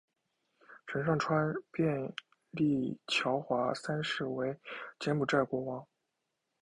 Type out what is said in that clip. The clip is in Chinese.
陈上川便立乔华三世为柬埔寨国王。